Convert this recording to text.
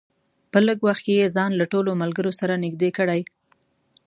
په لږ وخت کې یې ځان له ټولو ملګرو سره نږدې کړی.